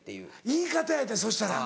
言い方やってそしたら。